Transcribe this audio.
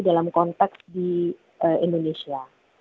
dalam konteks di indonesia